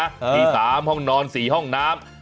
ที่สามห้องนอนสี่ห้องน้ำ